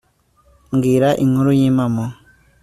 mbwira inkuru y'impamo